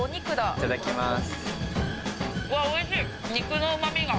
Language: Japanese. いただきます。